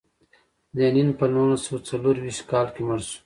لینین په نولس سوه څلور ویشت کال کې مړ شو.